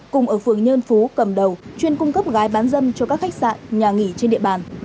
cùng ở phường nhơn phú cầm đầu chuyên cung cấp gái bán dâm cho các khách sạn nhà nghỉ trên địa bàn